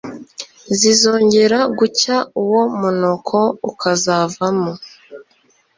zizongera gucya uwo munuko ukazavamo